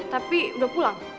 tapi udah pulang